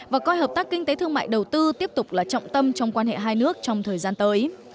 và coi hợp tác kinh tế thương mại đầu tư tiếp tục là trọng tâm trong quan hệ hai nước trong thời gian tới